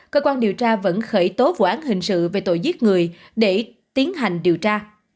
cơ quan điều tra vẫn khởi tố vụ án hình sự về tội giết người để tiến hành điều tra